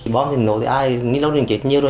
bom thì nổ thì ai nếu nổ thì chết nhiều rồi